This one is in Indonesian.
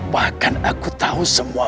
bahkan aku tahu semua